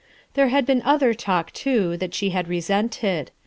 There had been other talk, too, that she had resented.